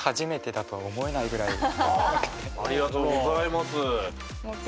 ありがとうございます。